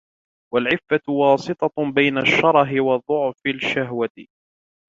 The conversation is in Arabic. وَالْعِفَّةُ وَاسِطَةٌ بَيْنَ الشَّرَهِ وَضَعْفِ الشَّهْوَةِ